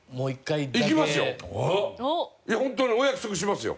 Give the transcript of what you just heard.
いやホントにお約束しますよ。